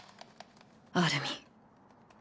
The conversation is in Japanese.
アルミン。